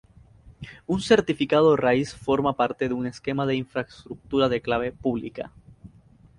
Un certificado raíz forma parte de un esquema de infraestructura de clave pública.